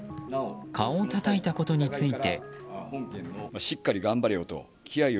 顔をたたいたことについて。